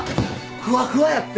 ふわふわやって。